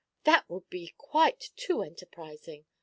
'That would be quite too enterprising.